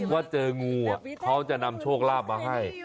ว่าเจองูเขาจะนำโชคลาภมาให้